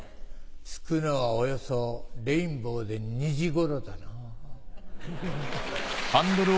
着くのはおよそレインボーでニジ頃だな。